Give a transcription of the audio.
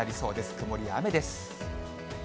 曇りや雨です。